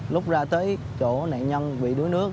lúc ra tới chỗ nạn nhân bị đuối nước